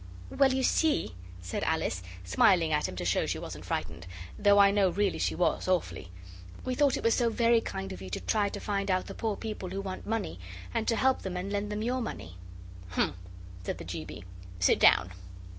'Well, you see,' said Alice, smiling at him to show she wasn't frightened, though I know really she was, awfully, 'we thought it was so very kind of you to try to find out the poor people who want money and to help them and lend them your money.' 'Hum!' said the G. B. 'Sit down.